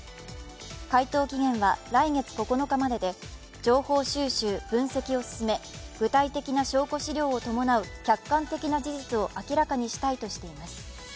回答期限は来月９日までで情報収集、分析を進め、具体的な証拠資料を伴う客観的な事実を明らかにしたいとしています。